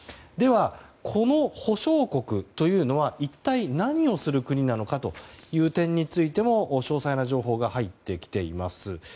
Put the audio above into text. では、この保証国というのは一体何をする国なのかという点についても詳細な情報が入ってきています。